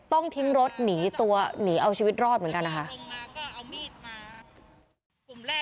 ต้องทิ้งรถหนีตัวหนีเอาชีวิตรอดเหมือนกันนะคะ